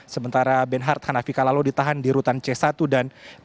sementara benhart hanafi kalalo ditahan di rutan c satu dan benhur laleno ditahan di rutan c dua